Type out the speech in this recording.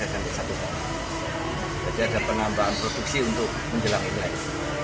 jadi ada penambahan produksi untuk menjelang imlek